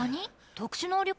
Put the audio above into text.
特殊能力？